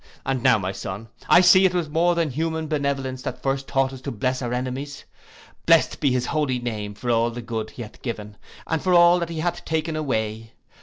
And now, my son, I see it was more than human benevolence that first taught us to bless our enemies! Blest be his holy name for all the good he hath given, and for all that he hath taken away.